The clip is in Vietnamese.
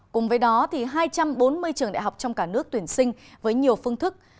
cùng với đó hai trăm bốn mươi trường đại học trong cả nước tuyển sinh với nhiều phương thức